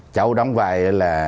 cháu đóng vai